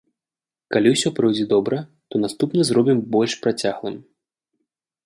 Калі ўсё пройдзе добра, то наступны зробім больш працяглым.